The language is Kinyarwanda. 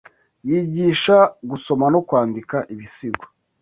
Yigisha Gusoma no Kwandika Ibisigo